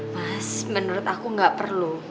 mas menurut aku nggak perlu